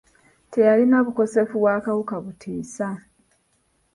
Teyalina bukosefu bwa kawuka butiisa.